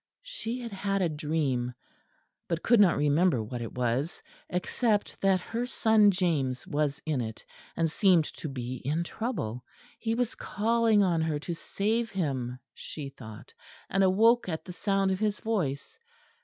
She had had a dream but could not remember what it was, except that her son James was in it, and seemed to be in trouble. He was calling on her to save him, she thought, and awoke at the sound of his voice.